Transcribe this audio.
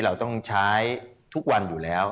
เราต้องใช้ทุกวันอยู่แล้ว